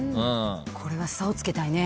これは差をつけたいね。